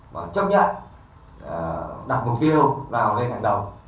và chấp nhận đặt mục tiêu vào lên tháng đầu